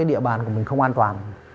địa bàn của mình không an toàn